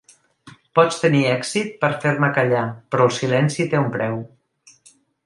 Pots tenir èxit per fer-me callar, però el silenci té un preu.